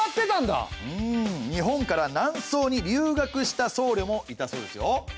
日本から南宋に留学したそうりょもいたそうですよ。